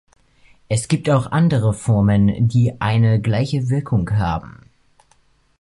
Es gibt auch andere Formen, die eine gleiche Wirkung haben.